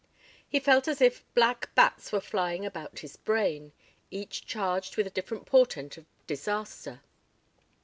He felt as if black bats were flying about his brain, each charged with a different portent of disaster.